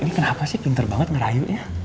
ini kenapa sih pinter banget ngerayunya